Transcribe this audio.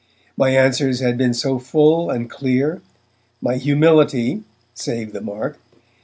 My answers had been so full and clear, my humility (save the mark!)